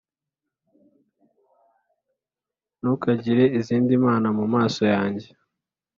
Ntukagire izindi mana mu maso yanjye